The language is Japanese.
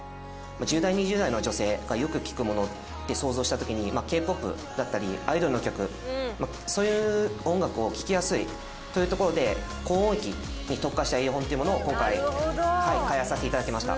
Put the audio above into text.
１０代２０代の女性がよく聴くものって想像した時にＫ−ＰＯＰだったりアイドルの曲そういう音楽を聴きやすいというところで高音域に特化したイヤホンっていうものを今回開発させていただきました。